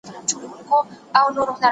زه به کتابتون ته تللی وي،